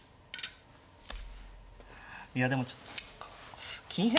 いやでもちょっと金変？